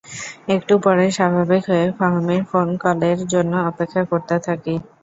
একটু পরে স্বাভাবিক হয়ে ফাহমির ফোন কলের জন্য অপেক্ষা করতে থাকি।